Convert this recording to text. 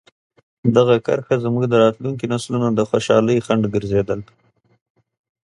دغه کرښه زموږ د راتلونکي نسلونو د خوشحالۍ خنډ ګرځېدلې.